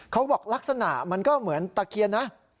เขาบอกลักษณะมันก็เหมือนตะเคียนนะ